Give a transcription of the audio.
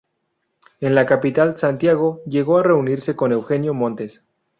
En la capital, Santiago, llegó a reunirse con Eugenio Montes.